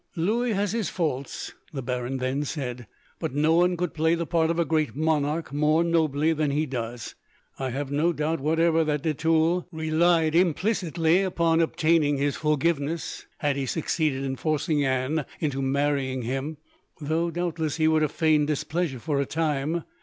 "Louis has his faults," the baron then said, "but no one could play the part of a great monarch more nobly than he does. I have no doubt, whatever, that de Tulle relied implicitly upon obtaining his forgiveness, had he succeeded in forcing Anne into marrying him; though, doubtless, he would have feigned displeasure for a time.